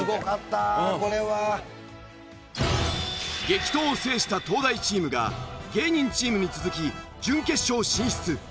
激闘を制した東大チームが芸人チームに続き準決勝進出！